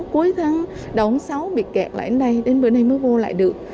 cuối tháng đầu tháng sáu bị kẹt lại đến đây đến bữa nay mới vô lại được